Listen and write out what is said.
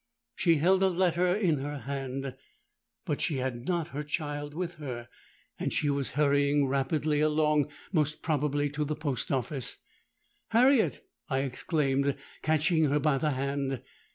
She held a letter in her hand; but she had not her child with her; and she was hurrying rapidly along—most probably to the post office. 'Harriet!' I exclaimed, catching her by the hand.